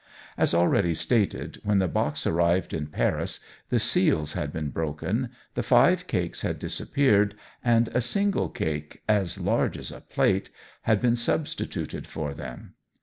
As already stated, when the box arrived in Paris the seals had been broken, the five cakes had disappeared, and a single cake "as large as a plate" had been substituted for them.